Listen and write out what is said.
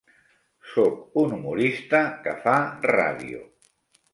Soc un humorista que fa ràdio.